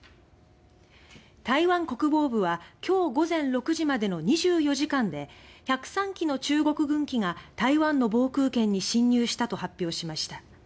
台湾国防部は今日午前６時までの２４時間で１０３機の中国軍機が台湾の防空圏に進入したと発表しました。